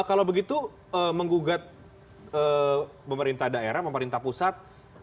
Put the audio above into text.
kalau begitu menggugat pemerintah daerah pemerintah pusat